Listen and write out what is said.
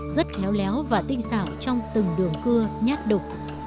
rất khéo léo và tinh xảo trong từng đường cưa nhát đục